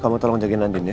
kamu tolong jagain andin ya